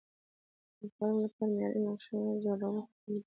د فارم لپاره معیاري نقشه جوړول حتمي ده.